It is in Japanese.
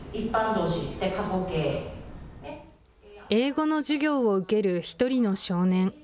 英語の授業を受ける１人の少年。